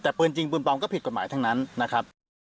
แต่ปืนจริงปืนปลอมก็ผิดกฎหมายทั้งนั้นนะครับ